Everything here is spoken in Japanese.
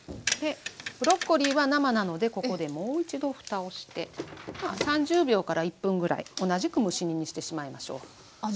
ブロッコリーは生なのでここでもう一度ふたをして３０秒から１分ぐらい同じく蒸し煮にしてしまいましょう。